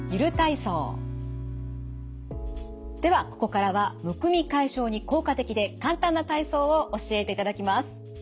ではここからはむくみ解消に効果的で簡単な体操を教えていただきます。